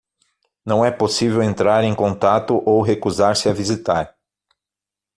Não é possível entrar em contato ou recusar-se a visitar